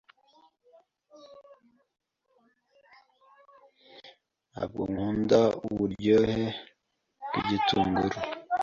Ntabwo nkunda uburyohe bwibitunguru.